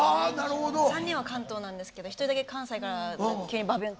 ３人は関東なんですけど一人だけ関西から急にバビューンとやって来て。